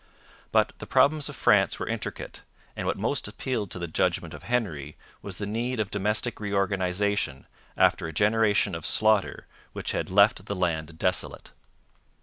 But the problems of France were intricate, and what most appealed to the judgment of Henry was the need of domestic reorganization after a generation of slaughter which had left the land desolate.